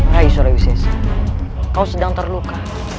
raih surawi saya kau sedang terluka